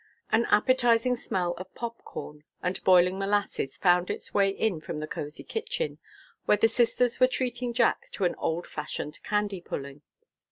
An appetizing smell of pop corn and boiling molasses found its way in from the cozy kitchen, where the sisters were treating Jack to an old fashioned candy pulling.